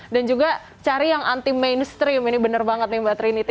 dan juga cari yang anti mainstream ini bener banget nih mbak trinity